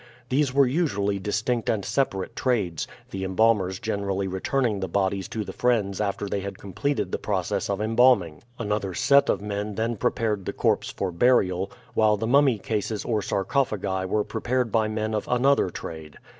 These were usually distinct and separate trades, the embalmers generally returning the bodies to the friends after they had completed the process of embalming. Another set of men then prepared the corpse for burial, while the mummy cases or sarcophagi were prepared by men of another trade.